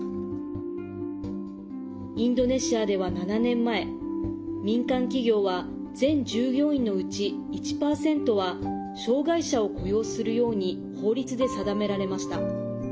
インドネシアでは７年前民間企業は全従業員のうち１％は障害者を雇用するように法律で定められました。